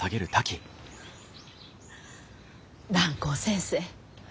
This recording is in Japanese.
蘭光先生。